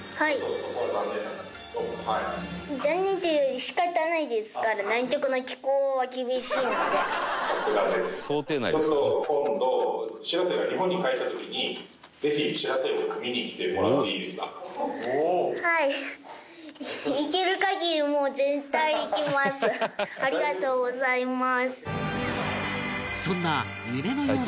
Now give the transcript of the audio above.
そんなありがとうございます。